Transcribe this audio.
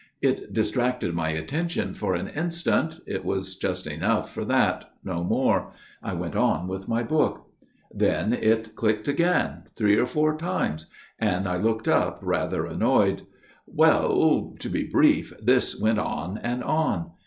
It distracted my attention for an instant it was just enough for that ; no more. I went on with my book. " Then it clicked again, three or four times ; and I looked up, rather annoyed. ... Well, to be brief, this went on and on.